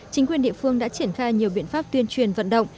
chính quyền địa phương đã triển khai nhiều biện pháp tuyên truyền vận động